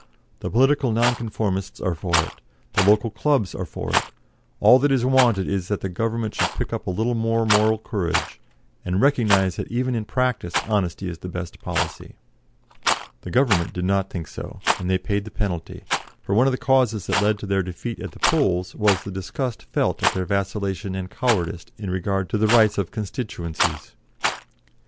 The political Non conformists are for it. The local clubs are for it. All that is wanted is that the Government should pick up a little more moral courage, and recognise that even in practice honesty is the best policy." The Government did not think so, and they paid the penalty, for one of the causes that led to their defeat at the polls was the disgust felt at their vacillation and cowardice in regard to the rights of constituencies.